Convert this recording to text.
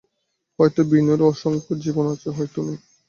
হয়তো বিনুরও অসংখ্য জীবন আছে, হয়তো নেই।